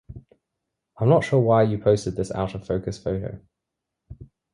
I'm not sure why you posted this out-of-focus photo.